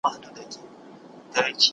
حیات الله خپل پخواني یادونه نه هېروي.